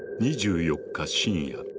２４日深夜。